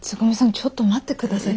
ちょっと待って下さい。